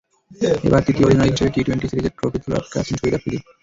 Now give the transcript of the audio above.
এবার তৃতীয় অধিনায়ক হিসেবে টি-টোয়েন্টি সিরিজের ট্রফি তোলার অপেক্ষায় আছেন শহীদ আফ্রিদি।